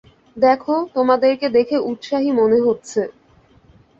দেখো, তোমাদেরকে দেখে উৎসাহী মনে হচ্ছে।